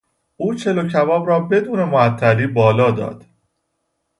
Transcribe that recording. او چلوکباب را بدون معطلی بالا داد.